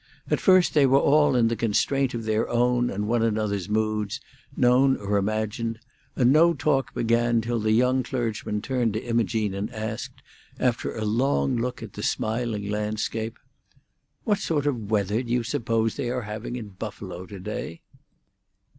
At first they were all in the constraint of their own and one another's moods, known or imagined, and no talk began till the young clergyman turned to Imogene and asked, after a long look at the smiling landscape, "What sort of weather do you suppose they are having at Buffalo to day?"